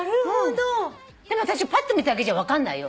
私ぱっと見ただけじゃ分かんないよ。